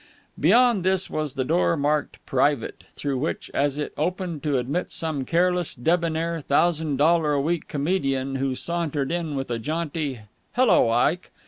Beyond this was the door marked "Private," through which, as it opened to admit some careless, debonair thousand dollar a week comedian who sauntered in with a jaunty "Hello, Ike!"